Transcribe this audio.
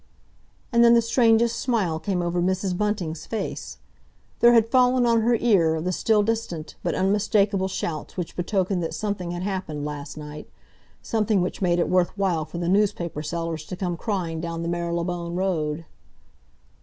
And then the strangest smile came over Mrs. Bunting's face. There had fallen on her ear the still distant, but unmistakable, shouts which betokened that something had happened last night—something which made it worth while for the newspaper sellers to come crying down the Marylebone Road.